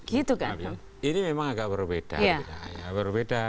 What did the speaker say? gitu kan ini memang agak berbeda